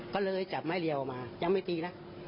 ก็เลยจับไม้เรียวมายังไม่ตีนะ